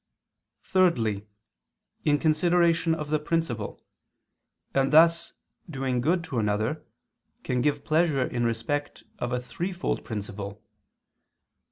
Thirdly, in consideration of the principle: and thus, doing good to another, can give pleasure in respect of a threefold principle.